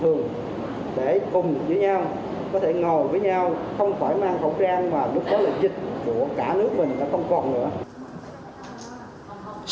không phải mang khẩu trang mà lúc đó là dịch của cả nước mình đã không còn nữa